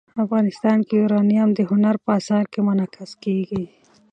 افغانستان کې یورانیم د هنر په اثار کې منعکس کېږي.